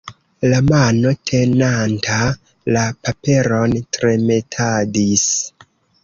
La mano tenanta la paperon tremetadis.